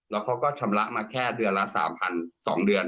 แล้วเขาก็ชำระมาแค่เดือนละ๓๐๐๐บาทเพื่อ๒เดือน